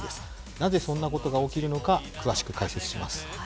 なぜそんなことが起きるのか、詳しく解説します。